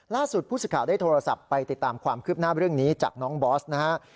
ล่าสุดผู้สึกข่าวได้โทรศัพท์ไปติดตามความคืบหน้าเรื่องนี้จากน้องบอสนะครับ